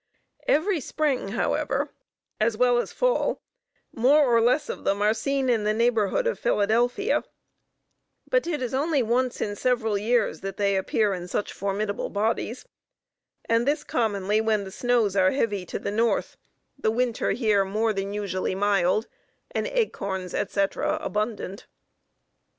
Every spring, however, as well as fall, more or less of them are seen in the neighborhood of Philadelphia; but it is only once in several years that they appear in such formidable bodies; and this commonly when the snows are heavy to the north, the winter here more than usually mild, and acorns, etc., abundant.